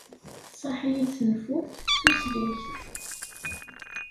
Tṣaḥ-iyi-d tenfult d tusligt.